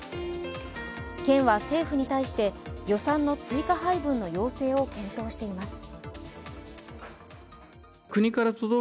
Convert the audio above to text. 県は政府に対して、予算の追加配分の要請を検討しています。